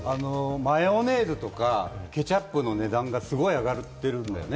マヨネーズとかケチャップの値段がすごく上がっているんだよね。